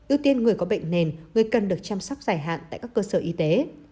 ưu tiên người có bệnh nền người cần được chăm sóc dài hạn tại các cơ sở y tế